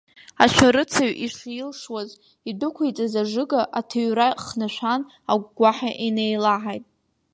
Ашәарыцаҩ ишилшауаз идәықәиҵаз ажыга, аҭыҩра хнашәан, агәгәаҳәа инеилаҳаит.